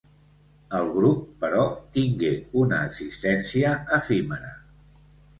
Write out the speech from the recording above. El grup, però, tingué una existència efímera.